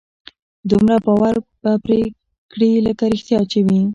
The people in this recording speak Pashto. دومره باور به پرې پيدا کړي لکه رښتيا چې وي.